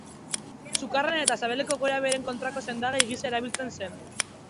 Sukarraren eta sabeleko gorabeheren kontrako sendagai gisa erabiltzen zen.